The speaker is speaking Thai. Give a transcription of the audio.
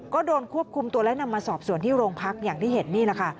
ก็โดนควบคุมตัวและนำมาสอบสวนที่โรงพักอย่างที่เห็นนี่แหละค่ะ